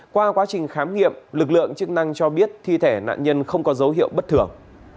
qua quá trình khám nghiệm lực lượng chức năng cho biết thi thể nạn nhân không có dấu hiệu bất thường